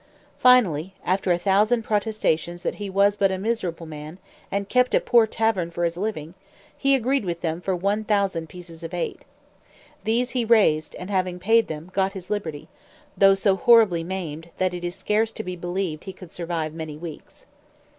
Finally, after a thousand protestations that he was but a miserable man, and kept a poor tavern for his living, he agreed with them for one thousand pieces of eight. These he raised, and having paid them, got his liberty; though so horribly maimed, that it is scarce to be believed he could survive many weeks.